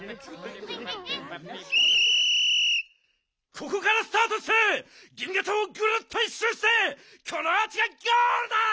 ここからスタートして銀河町をグルッと１しゅうしてこのアーチがゴールだ！